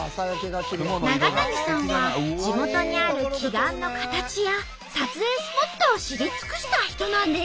長谷さんは地元にある奇岩の形や撮影スポットを知り尽くした人なんです。